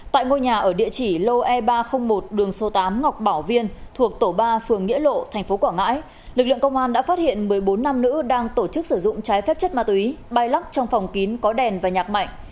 tại ngôi nhà ở địa chỉ lô e ba trăm linh một đường số tám ngọc bảo viên thuộc tổ ba phường nghĩa lộ tp quảng ngãi lực lượng công an đã phát hiện một mươi bốn nam nữ đang tổ chức sử dụng trái phép chất ma túy bay lắc trong phòng kín có đèn và nhạc mạnh